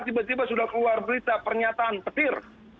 tiba tiba sudah keluar berita pernyataan petir